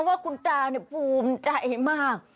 ว่าคุณตาเนี่ยภูมิใจมาก